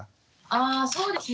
あそうですね